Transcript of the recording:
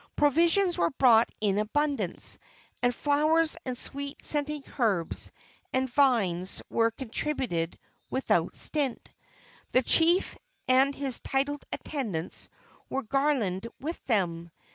Provisions were brought in abundance, and flowers and sweet scented herbs and vines were contributed without stint. The chief and his titled attendants were garlanded with them.